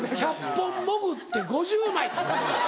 １００本潜って５０枚。